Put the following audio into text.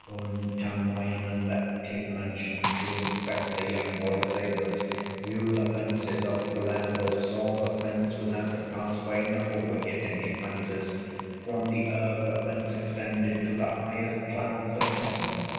Untamoinen left his mansion To inspect the young boy's labors, View the fences of Kullervo; Saw the fence without a pass way, Not a wicket in his fences; From the earth the fence extended To the highest clouds of heaven.